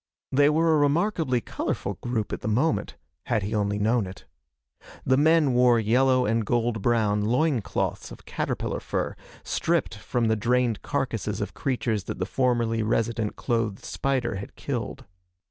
They were a remarkably colorful group at the moment, had he only known it. The men wore yellow and gold brown loin cloths of caterpillar fur, stripped from the drained carcasses of creatures that the formerly resident clothed spider had killed.